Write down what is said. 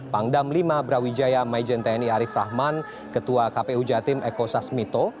pangdam lima brawijaya maijen tni arief rahman ketua kpu jatim eko sasmito